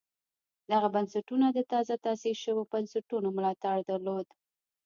دغه بنسټونه د تازه تاسیس شویو بنسټونو ملاتړ درلود